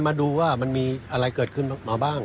มาดูว่ามันมีอะไรเกิดขึ้นมาบ้าง